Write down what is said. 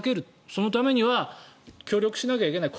そのためには協力しなきゃいけない。